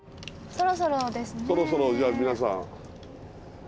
そろそろじゃあ皆さん。